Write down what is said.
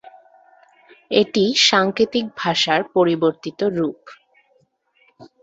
এটি সাংকেতিক ভাষার পরিবর্তিত রূপ।